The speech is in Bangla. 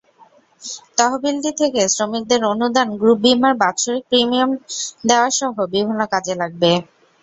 তহবিলটি থেকে শ্রমিকদের অনুদান, গ্রুপ বিমার বাৎসরিক প্রিমিয়াম দেওয়াসহ বিভিন্ন কাজে লাগবে।